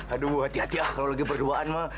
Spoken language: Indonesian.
aduh hati hati ah kalau lagi berduaan mah